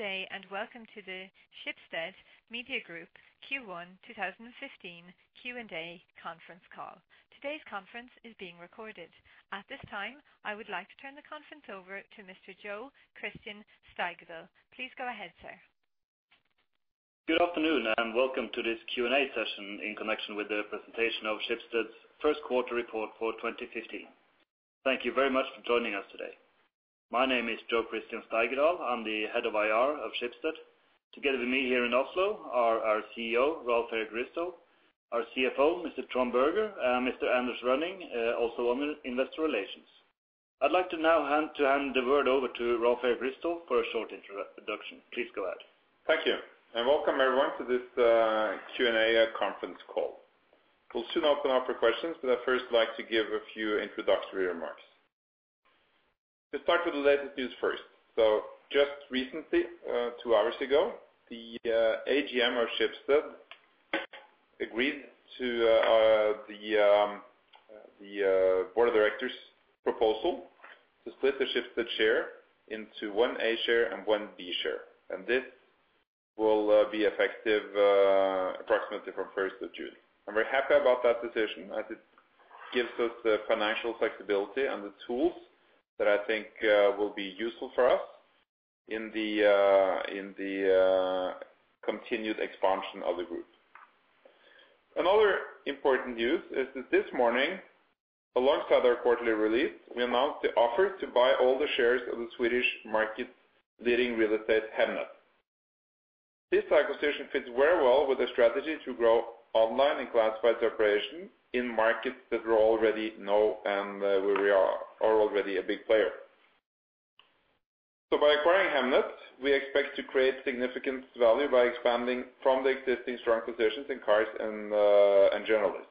Good day and welcome to the Schibsted Media Group Q1 2015 Q&A Conference Call. Today's conference is being recorded. At this time, I would like to turn the conference over to Mr. Jo Christian Steigedal. Please go ahead, sir. Good afternoon, welcome to this Q&A session in connection with the presentation of Schibsted's First Quarter Report for 2015. Thank you very much for joining us today. My name is Jo Christian Steigedal. I'm the Head of IR of Schibsted. Together with me here in Oslo are our CEO, Rolv Erik Ryssdal, our CFO, Mr. Trond Berger, and Mr. Anders Rønning, also on Investor Relations. I'd like to now to hand the word over to Rolv Erik Ryssdal for a short introduction. Please go ahead. Thank you, and welcome everyone to this Q&A conference call. We'll soon open up for questions, but I'd first like to give a few introductory remarks. To start with the latest news first. Just recently, two hours ago, the AGM of Schibsted agreed to the board of directors' proposal to split the Schibsted share into one A share and one B share. This will be effective approximately from first of June. I'm very happy about that decision, as it gives us the financial flexibility and the tools that I think will be useful for us in the continued expansion of the group. Another important news is that this morning, alongside our quarterly release, we announced the offer to buy all the shares of the Swedish market-leading real estate Hemnet. This acquisition fits very well with the strategy to grow online and classified operations in markets that we already know and where we are already a big player. By acquiring Hemnet, we expect to create significant value by expanding from the existing strong positions in cars and in journalists.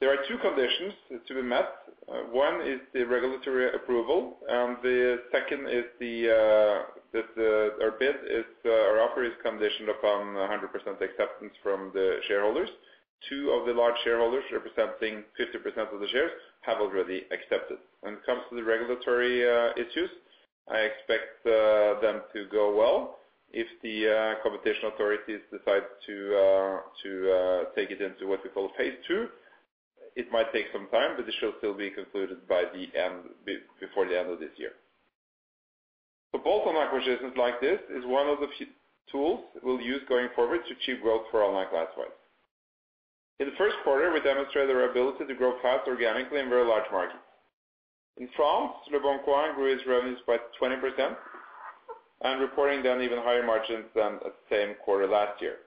There are two conditions to be met. One is the regulatory approval, and the second is that our bid is our offer is conditioned upon 100% acceptance from the shareholders. Two of the large shareholders representing 50% of the shares have already accepted. When it comes to the regulatory issues, I expect them to go well. If the competition authorities decide to take it into what we call Phase II, it might take some time, but it should still be concluded before the end of this year. Both online acquisitions like this is one of the few tools we'll use going forward to achieve growth for online classifieds. In the first quarter, we demonstrated our ability to grow fast organically in very large margins. In France, Leboncoin grew its revenues by 20% and reporting then even higher margins than the same quarter last year.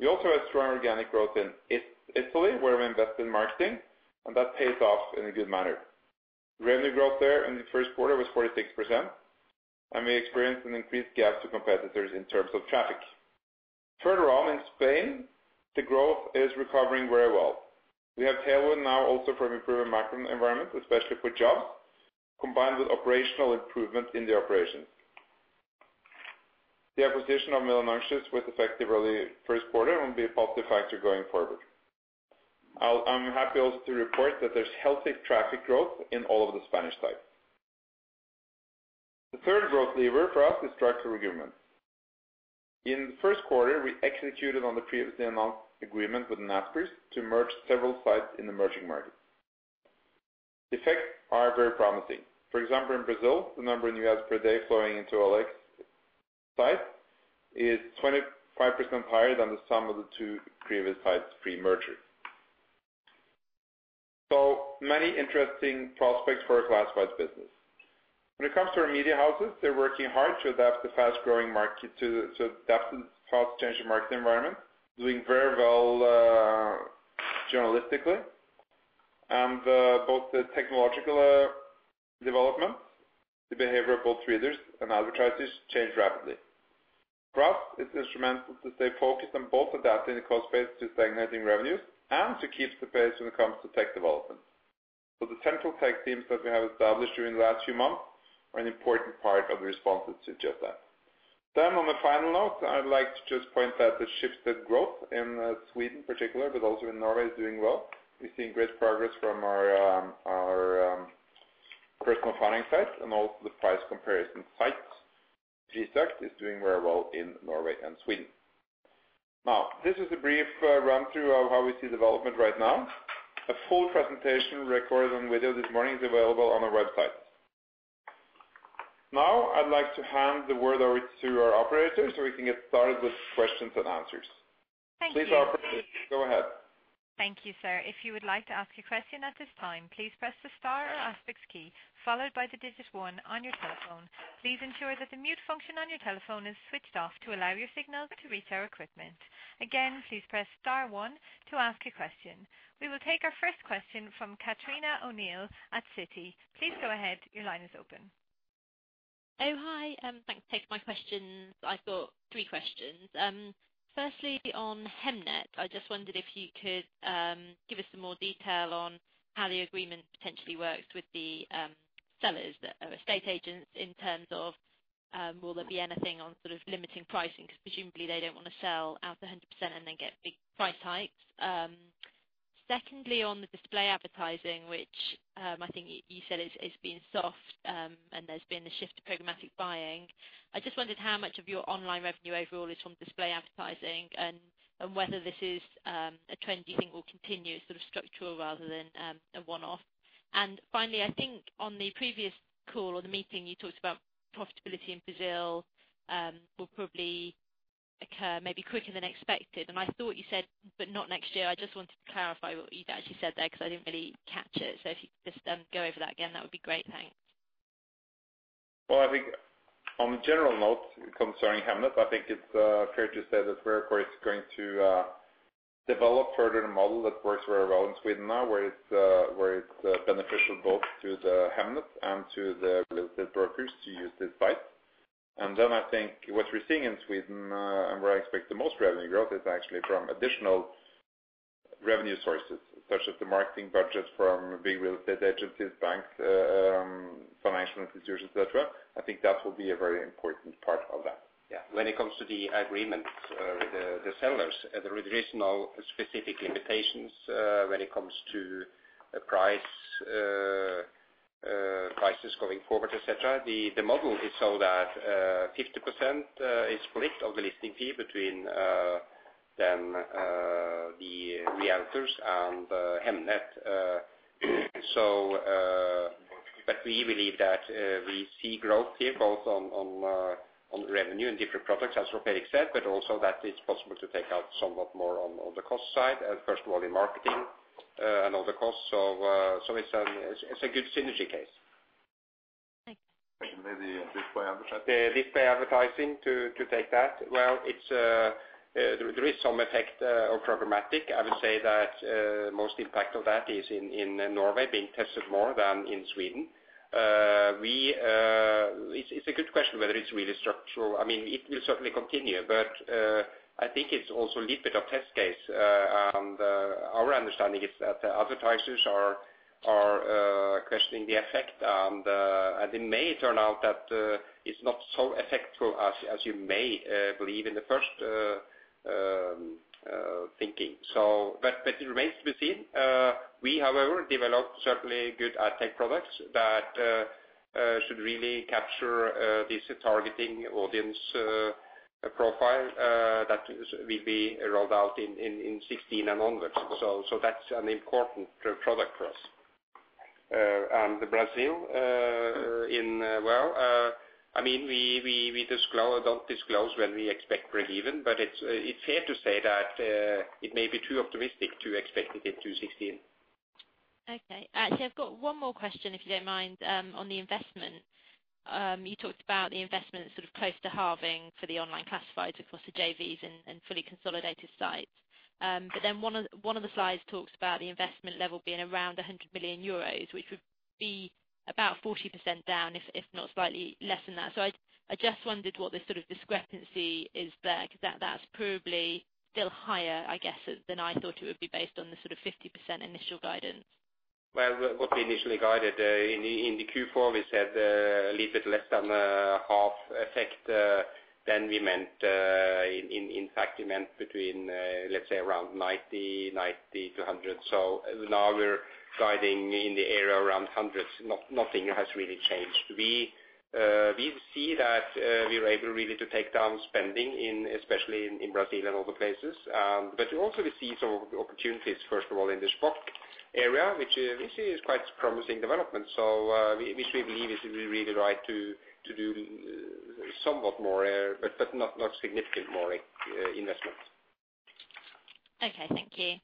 We also had strong organic growth in Italy, where we invested in marketing, and that paid off in a good manner. Revenue growth there in the first quarter was 46%, and we experienced an increased gap to competitors in terms of traffic. In Spain, the growth is recovering very well. We have tailwind now also from improved macro environment, especially for jobs, combined with operational improvement in the operations. The acquisition of Milanuncios with effective early first quarter will be a positive factor going forward. I'm happy also to report that there's healthy traffic growth in all of the Spanish sites. The third growth lever for us is structural agreements. In the first quarter, we executed on the previously announced agreement with Naspers to merge several sites in emerging markets. Effects are very promising. For example, in Brazil, the number of new ads per day flowing into OLX site is 25% higher than the sum of the two previous sites pre-merger. Many interesting prospects for our classifieds business. When it comes to our media houses, they're working hard to adapt the fast-growing market to adapt to the fast-changing market environment, doing very well journalistically. Both the technological developments, the behavior of both readers and advertisers change rapidly. For us, it's instrumental to stay focused on both adapting the cost base to stagnating revenues and to keep the pace when it comes to tech development. The central tech teams that we have established during the last few months are an important part of the response to suggest that. On a final note, I'd like to just point out the Schibsted growth in Sweden in particular, but also in Norway, is doing well. We've seen great progress from our personal funding site and also the price comparison site. Prisjakt is doing very well in Norway and Sweden. This is a brief run-through of how we see development right now. A full presentation recorded on video this morning is available on our website. I'd like to hand the word over to our operator so we can get started with questions and answers. Thank you. Please, operator, go ahead. Thank you, sir. If you would like to ask a question at this time, please press the star or asterisk key followed by the digit one on your telephone. Please ensure that the mute function on your telephone is switched off to allow your signal to reach our equipment. Again, please press star one to ask a question. We will take our first question from Catherine O'Neill at Citi. Please go ahead. Your line is open. Hi. Thanks for taking my questions. I've got three questions. Firstly, on Hemnet, I just wondered if you could give us some more detail on how the agreement potentially works with the sellers that are estate agents in terms of will there be anything on sort of limiting pricing? Presumably they don't want to sell out 100% and then get big price hikes. Secondly, on the display advertising, which I think you said it's been soft, and there's been a shift to programmatic buying. I just wondered how much of your online revenue overall is from display advertising and whether this is a trend do you think will continue, sort of structural rather than a one-off? Finally, I think on the previous call or the meeting, you talked about profitability in Brazil, will probably occur maybe quicker than expected. I thought you said, but not next year. I just wanted to clarify what you'd actually said there because I didn't really catch it. If you could just go over that again, that would be great. Thanks. Well, I think on the general note concerning Hemnet, I think it's fair to say that Blocket is going to develop further the model that works very well in Sweden now, where it's beneficial both to the Hemnet and to the real estate brokers to use this site. I think what we're seeing in Sweden, and where I expect the most revenue growth is actually from additional revenue sources, such as the marketing budgets from big real estate agencies, banks, financial institutions, et cetera. I think that will be a very important part of that. Yeah. When it comes to the agreements, with the sellers, there is no specific limitations, when it comes to the price, prices going forward, et cetera. The model is so that, 50%, is split of the listing fee between then, the realtors and Hemnet. We believe that, we see growth here both on revenue and different products, as Rolv Erik said, but also that it's possible to take out somewhat more on the cost side, first of all in marketing, and other costs. It's a good synergy case. Thank you. Maybe display advertising. The display advertising, to take that. Well, it's, there is some effect of programmatic. I would say that most impact of that is in Norway being tested more than in Sweden. We, it's a good question whether it's really structural. I mean, it will certainly continue, but I think it's also a little bit of test case. Our understanding is that advertisers are questioning the effect. It may turn out that it's not so effectual as you may believe in the first thinking. It remains to be seen. We, however, developed certainly good ad tech products that should really capture this targeting audience profile that will be rolled out in 2016 and onwards. That's an important product for us. The Brazil, well, I mean, we disclose or don't disclose when we expect breakeven, but it's fair to say that it may be too optimistic to expect it in 2016. Okay. Actually, I've got one more question, if you don't mind, on the investment. You talked about the investment sort of close to halving for the online classifieds across the JVs and fully consolidated sites. One of the slides talks about the investment level being around 100 million euros, which would be about 40% down, if not slightly less than that. I just wondered what the sort of discrepancy is there, because that's probably still higher, I guess, than I thought it would be based on the sort of 50% initial guidance. Well, what we initially guided in the Q4, we said a little bit less than half effect than we meant. In fact, we meant between, let's say, around 90-100. Now we're guiding in the area around NOK hundreds. Nothing has really changed. We see that we are able really to take down spending, especially in Brazil and other places. We also see some opportunities, first of all, in the Shpock area, which we see is quite promising development. Which we believe is really right to do somewhat more, but not significant more investment. Okay. Thank you.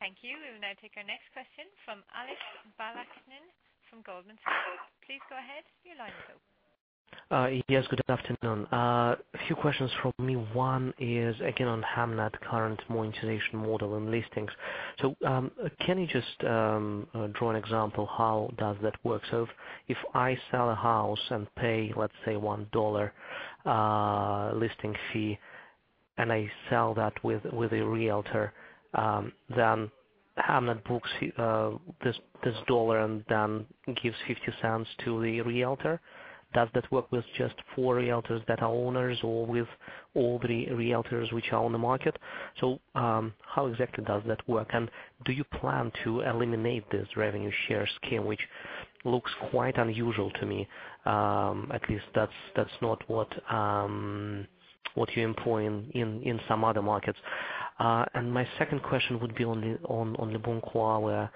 Thank you. We will now take our next question from Alexander Balakhnin from Goldman Sachs. Please go ahead. Your line is open. Yes, good afternoon. A few questions from me. One is again on Hemnet current monetization model and listings. Can you just draw an example how does that work? If I sell a house and pay, let's say SEK 1 listing fee, and I sell that with a realtor, then Hemnet books this SEK 1 and then gives 0.50 to the realtor. Does that work with just four realtors that are owners or with all the realtors which are on the market? How exactly does that work? And do you plan to eliminate this revenue share scheme, which looks quite unusual to me? At least that's not what you employ in some other markets. My second question would be on Leboncoin, where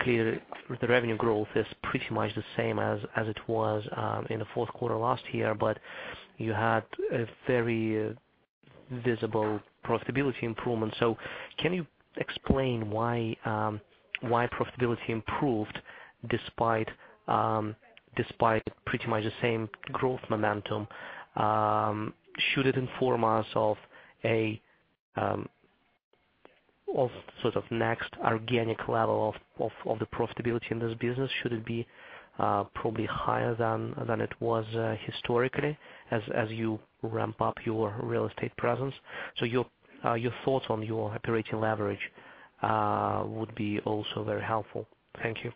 clearly the revenue growth is pretty much the same as it was in the fourth quarter last year, but you had a very visible profitability improvement. Can you explain why profitability improved despite pretty much the same growth momentum? Should it inform us of a sort of next organic level of the profitability in this business? Should it be probably higher than it was historically as you ramp up your real estate presence? Your thoughts on your operating leverage would be also very helpful. Thank you.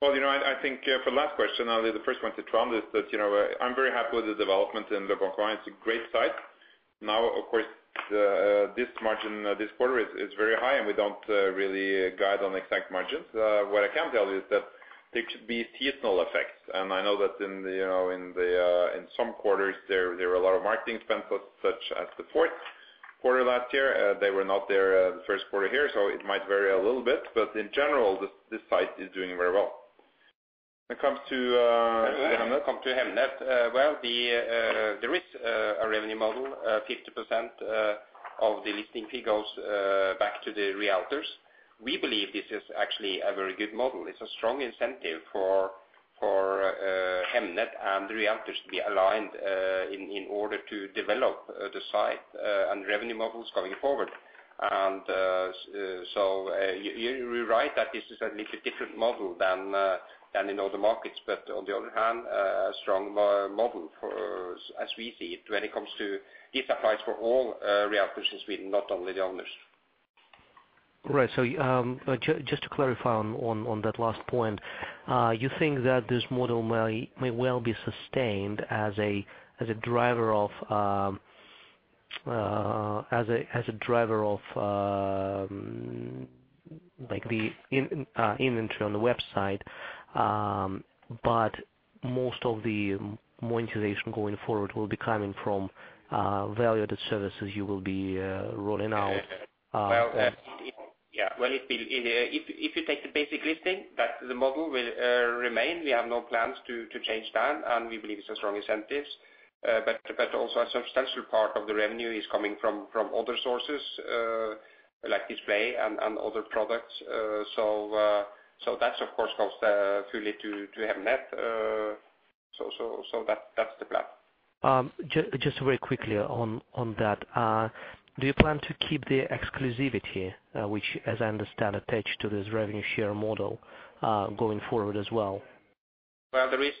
Well, you know, I think, for the last question, only the first one to Trond Berger is that, you know, I'm very happy with the development in the it's a great site. Now, of course, the this margin, this quarter is very high, and we don't really guide on exact margins. What I can tell you is that there could be seasonal effects. I know that in the, you know, in the, in some quarters there were a lot of marketing expenses, such as the fourth quarter last year. They were not there, the first quarter here, so it might vary a little bit. In general, this site is doing very well. When it come to Hemnet, well, there is a revenue model, 50% of the listing fee goes back to the realtors. We believe this is actually a very good model. It's a strong incentive for Hemnet and the realtors to be aligned in order to develop the site and revenue models going forward. So, you're right that this is a little different model than in other markets. On the other hand, a strong model for, as we see it when it comes to this applies for all realtors in Sweden, not only the owners. Right. Just to clarify on that last point, you think that this model may well be sustained as a driver of, like the inventory on the website. Most of the monetization going forward will be coming from value-added services you will be rolling out? If you take the basic listing, that the model will remain. We have no plans to change that, and we believe it's a strong incentives. But also a substantial part of the revenue is coming from other sources, like display and other products. So that of course goes fully to Hemnet. So that's the plan. Just very quickly on that. Do you plan to keep the exclusivity, which, as I understand, attached to this revenue share model, going forward as well? Well, there is,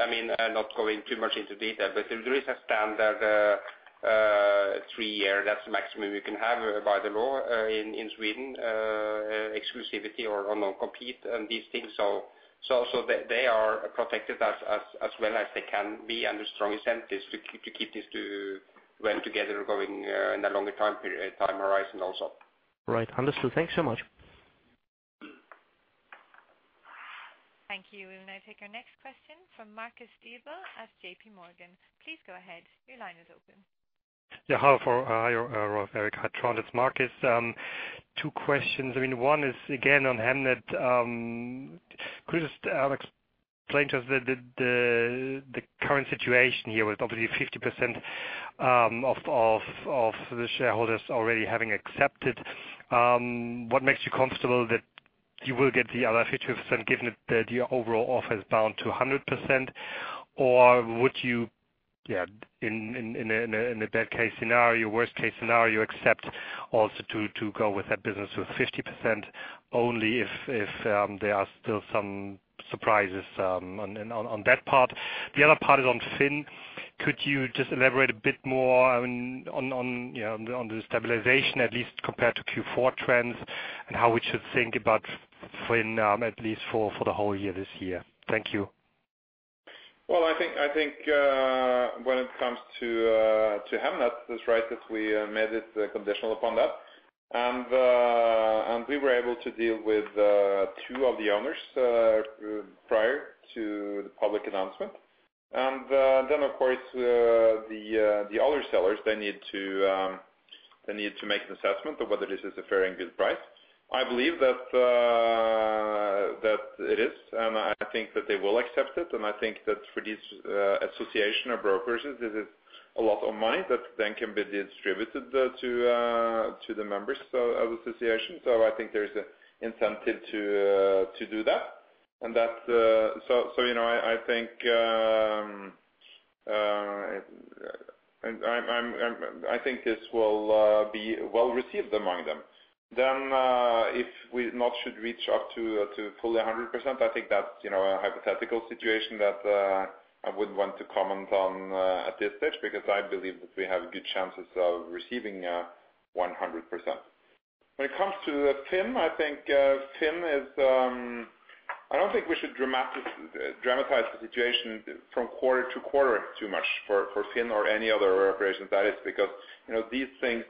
I mean, not going too much into detail, but there is a standard three-year, that's the maximum you can have by the law in Sweden, exclusivity or non-compete and these things. They are protected as well as they can be under strong incentives to keep this to well together going in a longer time period, time horizon also. Right. Understood. Thanks so much. Thank you. We'll now take our next question from Marcus Diebel at JPMorgan. Please go ahead. Your line is open. Hi, Rolv Erik, it's Marcus. Two questions. I mean, one is again on Hemnet. Could you just explain to us the current situation here with obviously 50% of the shareholders already having accepted? What makes you comfortable that you will get the other 50%, given that the overall offer is bound to 100%? Or would you, yeah, in a bad case scenario, worst case scenario, accept also to go with that business with 50% only if there are still some surprises on that part? The other part is on FINN. Could you just elaborate a bit more on, you know, on the stabilization at least compared to Q4 trends, and how we should think about FINN, at least for the whole year this year? Thank you. I think when it comes to Hemnet, it's right that we made it conditional upon that. We were able to deal with two of the owners prior to the public announcement. Then of course, the other sellers, they need to make an assessment of whether this is a fair and good price. I believe that it is, and I think that they will accept it. I think that for this association of brokers, this is a lot of money that then can be distributed to the members of association. I think there's an incentive to do that. That's. You know, I think. I think this will be well received among them. If we not should reach up to fully 100%, I think that's, you know, a hypothetical situation that I wouldn't want to comment on at this stage because I believe that we have good chances of receiving 100%. When it comes to FINN, I think FINN is... I don't think we should dramatize the situation from quarter-to-quarter too much for FINN or any other operations. That is because, you know, these things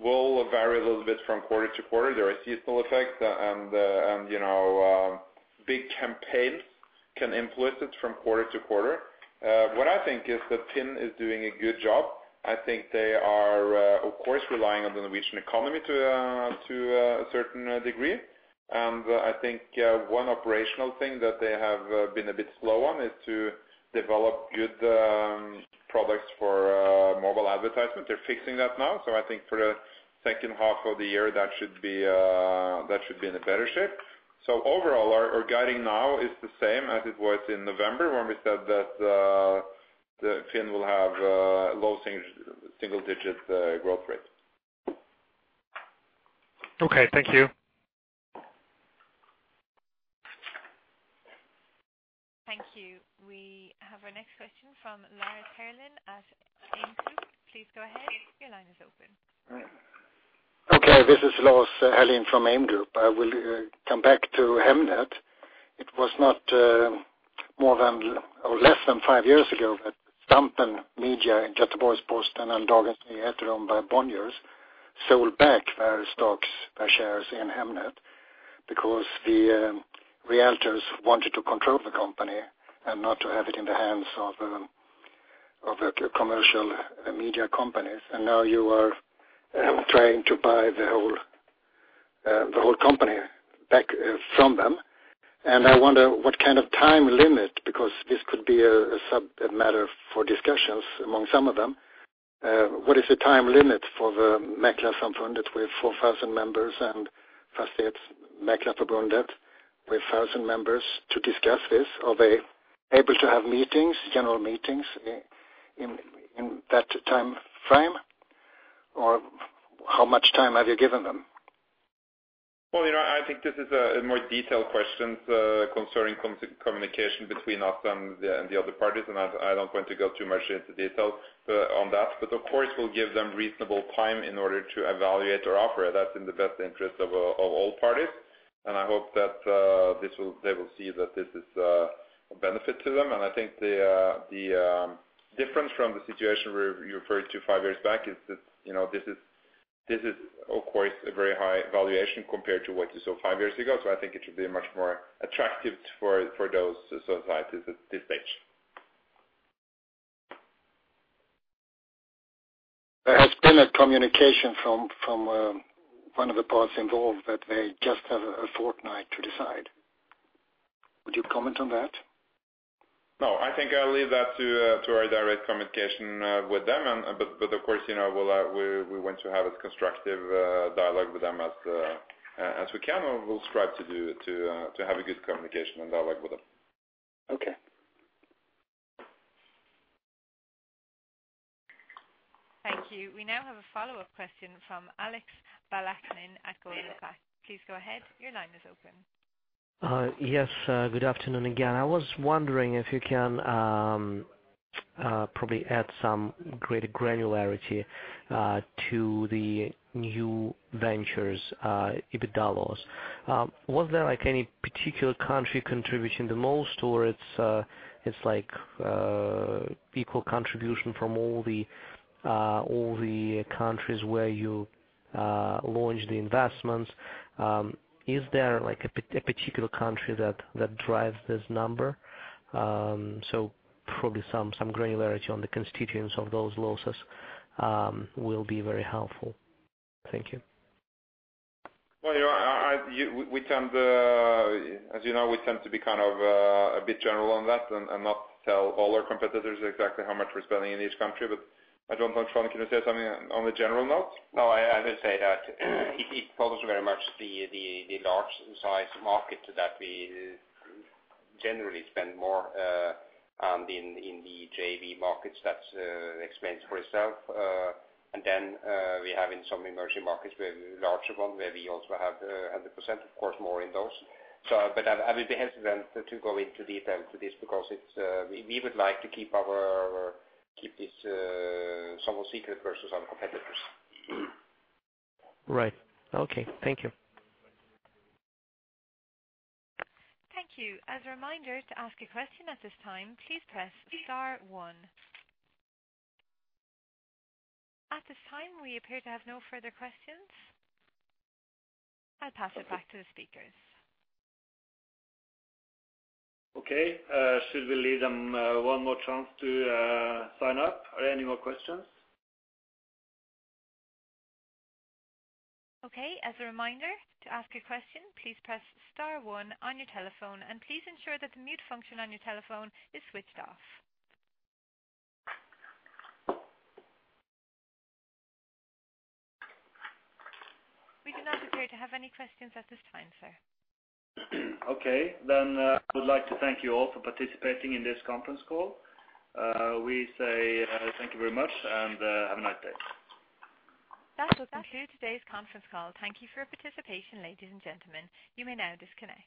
will vary a little bit from quarter-to-quarter. There are seasonal effects and, you know, big campaigns can influence it from quarter-to-quarter. What I think is that FINN is doing a good job. I think they are, of course, relying on the Norwegian economy to a certain degree. I think, one operational thing that they have been a bit slow on is to develop good products for mobile advertisement. They're fixing that now, so I think for the second half of the year, that should be in a better shape. Overall, our guiding now is the same as it was in November when we said that FINN will have low single digit growth rate. Okay. Thank you. Thank you. We have our next question from Lars Herlin at AIM Group. Please go ahead. Your line is open. Okay, this is Lars Herlin from AIM Group. I will come back to Hemnet. It was not more than or less than five years ago that Stampen Media in Göteborgs-Posten and Dagens Nyheter owned by Bonnier sold back their stocks, their shares in Hemnet because the realtors wanted to control the company and not to have it in the hands of the commercial media companies. Now you are trying to buy the whole company back from them. I wonder what kind of time limit because this could be a sub matter for discussions among some of them. What is the time limit for the Mäklarsamfundet with 4,000 members and Fastighetsmäklarförbundet with 1,000 members to discuss this? Are they able to have meetings, general meetings in that timeframe? How much time have you given them? Well, you know, I think this is a more detailed questions concerning communication between us and the other parties, and I don't want to go too much into details on that. Of course, we'll give them reasonable time in order to evaluate our offer. That's in the best interest of all parties. I hope that they will see that this is a benefit to them. I think the difference from the situation where you referred to five years back is that, you know, this is of course, a very high valuation compared to what you saw five years ago. I think it should be much more attractive for those societies at this stage. There has been a communication from one of the parts involved that they just have a fortnight to decide. Would you comment on that? No, I think I'll leave that to to our direct communication with them. Of course, you know, we'll we want to have a constructive dialogue with them as we can, and we'll strive to do to have a good communication and dialogue with them. Okay. Thank you. We now have a follow-up question from Alex Balakhnin at Goldman Sachs. Please go ahead. Your line is open. Yes. Good afternoon again. I was wondering if you can probably add some greater granularity to the new ventures EBITDA loss. Was there like any particular country contributing the most, or it's like equal contribution from all the countries where you launched the investments? Is there like a particular country that drives this number? Probably some granularity on the constituents of those losses will be very helpful. Thank you. Well, you know, I tend to, as you know, we tend to be kind of a bit general on that and not tell all our competitors exactly how much we're spending in this country. I don't know, Trond, can you say something on a general note? No, I will say that it follows very much the large size market that we generally spend more, and in the JV markets that's explains for itself. We have in some emerging markets, we have larger one where we also have 100%, of course, more in those. I would be hesitant to go into detail to this because it's, we would like to keep this somewhat secret versus our competitors. Right. Okay. Thank you. Thank you. As a reminder to ask a question at this time, please press star one. At this time, we appear to have no further questions. I'll pass it back to the speakers. Okay. Should we leave them one more chance to sign up? Are there any more questions? Okay. As a reminder to ask a question, please press star one on your telephone, please ensure that the mute function on your telephone is switched off. We do not appear to have any questions at this time, sir. Okay. I would like to thank you all for participating in this conference call. We say, thank you very much and, have a nice day. That will conclude today's conference call. Thank you for your participation, ladies and gentlemen. You may now disconnect.